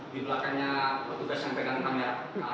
di belakangnya petugas yang pegang kamera